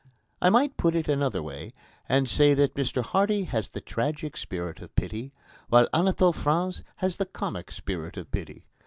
I might put it another way and say that Mr Hardy has the tragic spirit of pity while Anatole France has the comic spirit of pity.